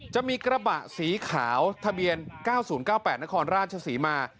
จะมีกระบะสีขาวทะเบียน๙๐๙๘นครราชศรีมา